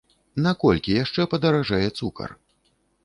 На колькі яшчэ падаражэе цукар?